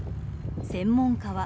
専門家は。